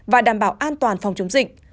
và đảm bảo an toàn phòng chống dịch